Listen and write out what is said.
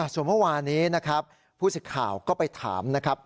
ส่วนเมื่อวานี้นะครับผู้สิทธิ์ข่าวก็ไปถามนะครับ